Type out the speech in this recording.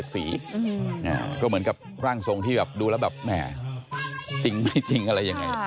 เชิงเสร็จสีก็เหมือนกับร่างทรงที่ดูแล้วแบบแหม่จริงไม่จริงอะไรยังไง